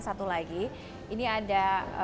satu lagi ini ada